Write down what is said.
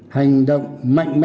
hành động mạnh mẽ